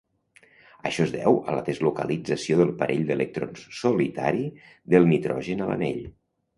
Això es deu a la deslocalització del parell d'electrons solitari del nitrogen a l'anell.